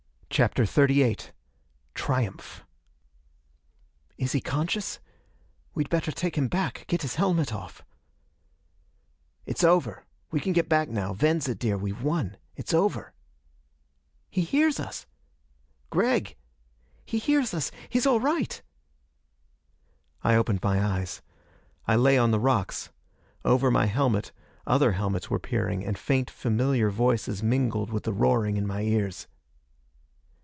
CHAPTER XXXVIII Triumph! "Is he conscious? We'd better take him back, get his helmet off." "It's over. We can get back now. Venza, dear, we've won it's over." "He hears us!" "Gregg!" "He hears us he's all right!" I opened my eyes. I lay on the rocks. Over my helmet other helmets were peering, and faint, familiar voices mingled with the roaring in my ears.